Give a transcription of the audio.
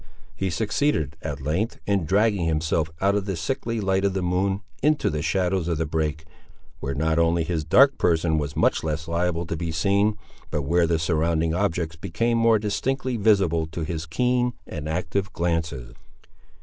He succeeded, at length, in dragging himself out of the sickly light of the moon, into the shadows of the brake, where not only his own dark person was much less liable to be seen, but where the surrounding objects became more distinctly visible to his keen and active glances.